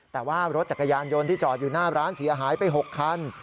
แต่ว่ารถจักรยานยนต์ที่จอดอยู่หน้าร้านเสียหายไป๖คัน